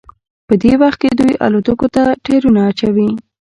په دې وخت کې دوی الوتکو ته ټیرونه اچوي